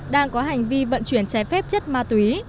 đang có hành vi vận chuyển trái phép chất ma túy